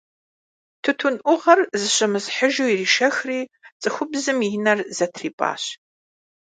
Тутын ӏугъуэр зыщымысхьыжу иришэхри, цӏыхубзым и нэр зэтрипӏащ.